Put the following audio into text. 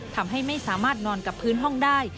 ทำให้ไม่สามารถนอนกับพื้นห้องได้